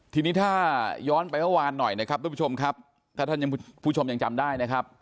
ทีนี้ถ้าย้อนไปเมื่อวานหน่อยนะครับทุกผู้ชมครับถ้าท่านผู้ชมยังจำได้นะครับ